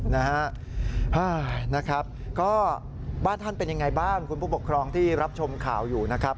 นะฮะก็บ้านท่านเป็นยังไงบ้างคุณผู้ปกครองที่รับชมข่าวอยู่นะครับ